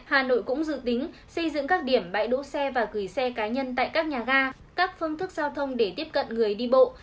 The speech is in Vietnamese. hà nội cũng dự tính xây dựng các điểm bãi đỗ xe và gửi xe cá nhân tại các nhà ga các phương thức giao thông để tiếp cận người đi bộ